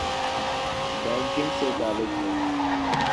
Banking سے تعلق ہے۔